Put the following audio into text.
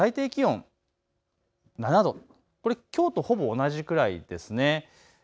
あすはまず最低気温７度、これきょうとほぼ同じくらいですね。